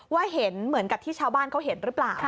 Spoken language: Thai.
เห็นเหมือนกับที่ชาวบ้านเขาเห็นหรือเปล่า